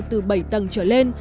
từ bảy tầng trở lên